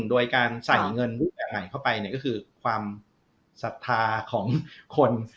โดยการใส่เงินใหม่เข้าไปก็คือความศรัทธาของคน